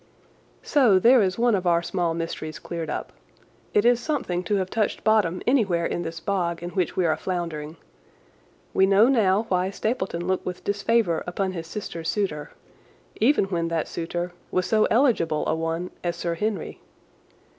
So there is one of our small mysteries cleared up. It is something to have touched bottom anywhere in this bog in which we are floundering. We know now why Stapleton looked with disfavour upon his sister's suitor—even when that suitor was so eligible a one as Sir Henry.